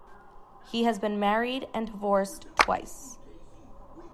He has been married and divorced twice.